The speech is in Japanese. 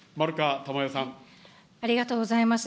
ありがとうございます。